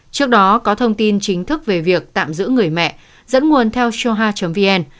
trước đó có thông tin chính thức về việc tạm giữ người mẹ dẫn nguồn theo soha vn